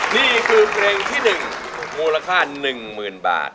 นี่คือเพลงที่๑มูลค่า๑๐๐๐บาท